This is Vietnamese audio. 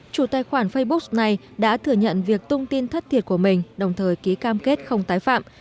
chủ tài khoản facebook này đã thừa nhận việc tung tin thất thiệt của mình đồng thời ký cam kết không tái phạm